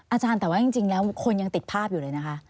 อาจารย์แต่ว่าจริงแล้วคนยังติดภาพอยู่เลยนะคะ